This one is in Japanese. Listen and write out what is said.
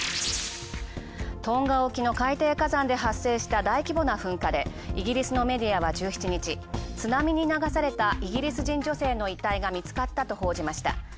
トンガ沖の海底火山で発生した、大規模な噴火でイギリスのメディアは１７日、津波に流された女性の遺体が見つかったと報じました。